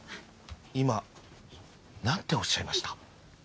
今何ておっしゃいました？